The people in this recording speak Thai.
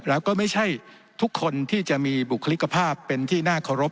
แล้วก็ไม่ใช่ทุกคนที่จะมีบุคลิกภาพเป็นที่น่าเคารพ